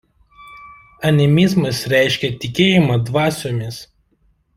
Animizmas reiškė „tikėjimą dvasiomis“.